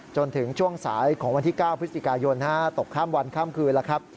จนถึงช่วงสายของวันที่๙พฤศจิกายนตกข้ามวันข้ามคืนแล้วครับ